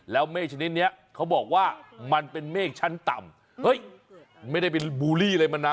แล้วเมฆชนิดนี้เขาบอกว่ามันเป็นเมฆชั้นต่ำเฮ้ยไม่ได้เป็นบูลลี่อะไรมันนะ